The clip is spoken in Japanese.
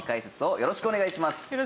よろしくお願いします。